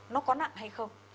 nó có nặng hay không